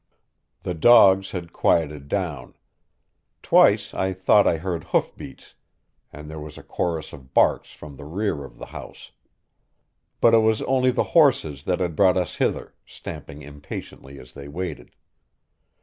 The dogs had quieted down. Twice I thought I heard hoof beats, and there was a chorus of barks from the rear of the house. But it was only the horses that had brought us hither, stamping impatiently as they waited.